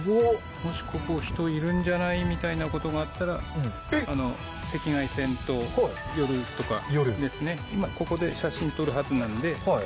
もしここ人いるんじゃない？みたいなことになったら、赤外線と、夜とかですね、今、ここで写真撮るはずなんで。